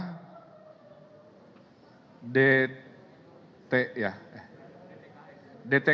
golongan kedua adalah golongan yang terdampak oleh pemerintah